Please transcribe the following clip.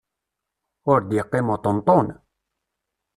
Ur d-yeqqim uṭenṭun!